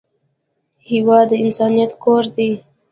هېواد د انسانیت کور دی.